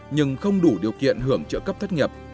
nhưng không đủ điều kiện hưởng trợ cấp thất nghiệp